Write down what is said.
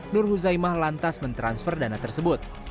nur huzaimah lantas mentransfer dana tersebut